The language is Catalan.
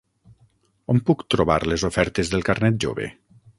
On puc trobar les ofertes del carnet jove?